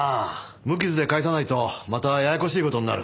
無傷で返さないとまたややこしい事になる。